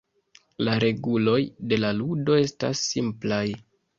La reguloj de la ludo estas simplaj.